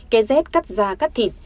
cái z cắt da cắt thịt